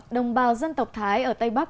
đồng bào dân tộc thái ở tây bắc